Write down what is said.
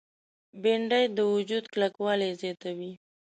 بېنډۍ د وجود کلکوالی زیاتوي